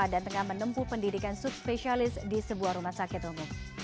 dan tengah menempuh pendidikan subspesialis di sebuah rumah sakit umum